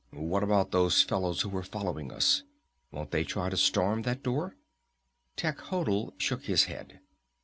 "What about those fellows who were following us? Won't they try to storm that door?" Techotl shook his head.